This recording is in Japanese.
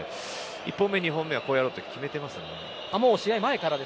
１本目、２本目はこうやろうって決めてますね。